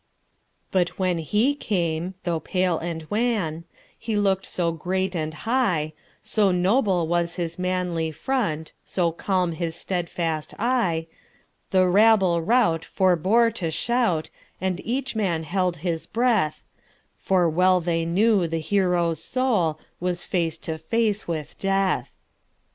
But when he came, though pale and wan, He look'd so great and high, So noble was his manly front, So calm his steadfast eye, The rabble rout forbore to shout, And each man held his breath, For well they knew the hero's soulWas face to face with death.